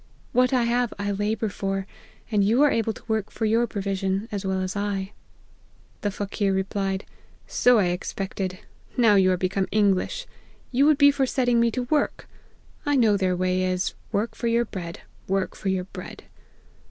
What I have, I labour for, and you are able to work for your provision, as well as I.' " The Faqueer replied, So I expected ; now you are become English, you would be for setting me to work. I know their way is, work for your bread ! work for your bread